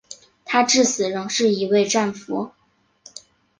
他至死仍是一位战俘。